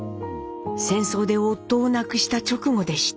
戦争で夫を亡くした直後でした。